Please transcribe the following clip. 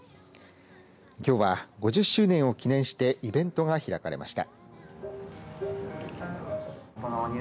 きょうは５０周年を記念してイベントが開かれました。